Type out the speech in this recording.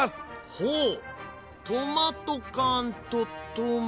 ほうトマト缶とトマト。